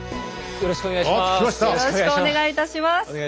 よろしくお願いします。